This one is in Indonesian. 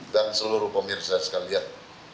dan seluruh pemirsa sekalian